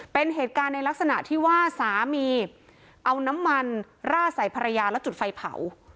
เป็นเหตุการณ์ในลักษณะที่ว่าสามีเอาน้ำมันราดใส่ภรรยาแล้วจุดไฟเผา